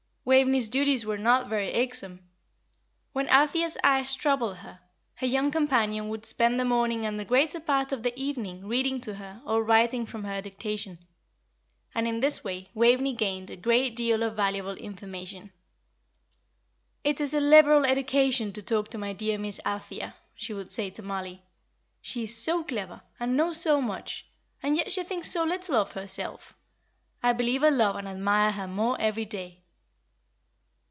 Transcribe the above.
Waveney's duties were not very irksome. When Althea's eyes troubled her, her young companion would spend the morning and the greater part of the evening reading to her or writing from her dictation; and in this way Waveney gained a great deal of valuable information. "It is a liberal education to talk to my dear Miss Althea," she would say to Mollie. "She is so clever, and knows so much, and yet she thinks so little of herself. I believe I love and admire her more every day."